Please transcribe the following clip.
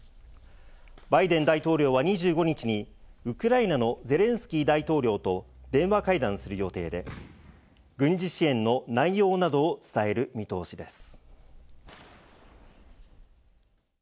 バイデン大統領は２５日にウクライナのゼレンスキー大統領と電話会談する予定で、軍事支援の内容などを伝える見通しです。